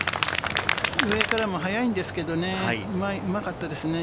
上からも速いんですけれども、うまかったですね。